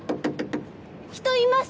人います！